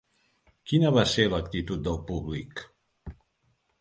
Quina va ser l'actitud del públic?